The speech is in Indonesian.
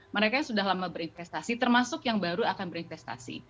mereka yang sudah lama berinvestasi termasuk yang baru akan berinvestasi